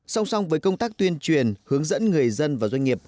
song song với công tác tuyên truyền hướng dẫn người dân và doanh nghiệp